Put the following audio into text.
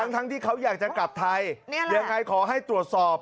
ทั้งที่เขาอยากจะกลับไทยยังไงขอให้ตรวจสอบ